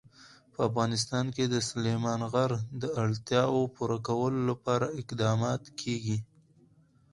په افغانستان کې د سلیمان غر د اړتیاوو پوره کولو لپاره اقدامات کېږي.